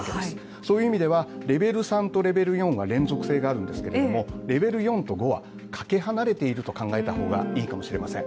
そういう意味ではレベル３とレベル４は連続性があるんですけれどもレベル４と５はかけ離れていると考えた方がいいかもしれません。